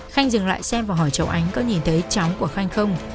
khanh dừng lại xem và hỏi cháu ánh có nhìn thấy cháu của khanh không